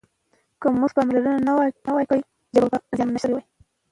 که موږ پاملرنه نه وای کړې ژبه به زیانمنه شوې وای.